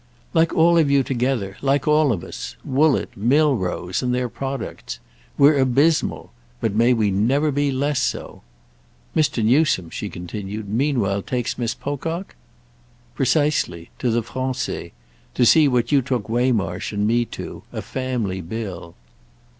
"Like all of you together—like all of us: Woollett, Milrose and their products. We're abysmal—but may we never be less so! Mr. Newsome," she continued, "meanwhile takes Miss Pocock—?" "Precisely—to the Français: to see what you took Waymarsh and me to, a family bill."